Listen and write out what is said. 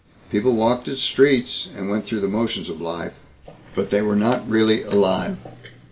People walked its streets and went through the motions of life. But they were not really alive.